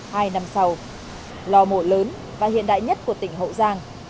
hai năm sau lò mổ lớn và hiện đại nhất của tỉnh hậu giang